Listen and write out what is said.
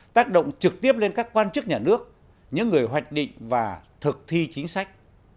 tác động trực tiếp lên các quan chức nhà nước những người hoạch định và thực thi chính sách